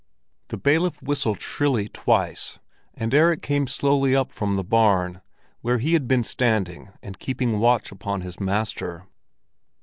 The bailiff whistled shrilly twice, and Erik came slowly up from the barn, where he had been standing and keeping watch upon his master.